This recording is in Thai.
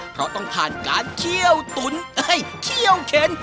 เพราะต้องผ่านการเคี่ยวตุ๋นเคี่ยวเข็น